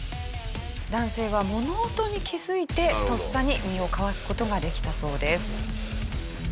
男性は物音に気づいてとっさに身をかわす事ができたそうです。